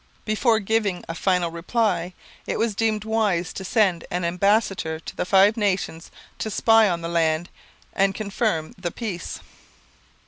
Before giving a final reply it was deemed wise to send an ambassador to the Five Nations to spy out the land and confirm the peace.